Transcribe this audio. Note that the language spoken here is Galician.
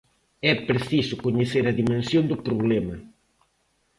É preciso coñecer a dimensión do problema.